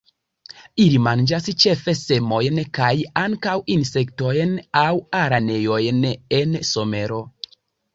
Ili manĝas ĉefe semojn, kaj ankaŭ insektojn aŭ araneojn en somero.